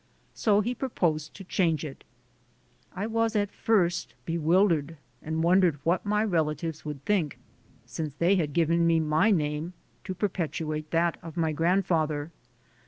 So he proposed to change it. I was at first bewildered and wondered what my relatives would think, since they had given me my name to perpetuate that of my grandfather.